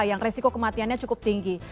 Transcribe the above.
yang resiko kematiannya cukup tinggi